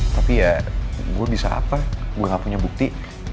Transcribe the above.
tapi ya gue bisa apa gue gak punya bukti